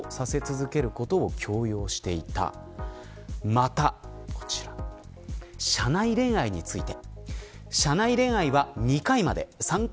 また、こちら社内恋愛について。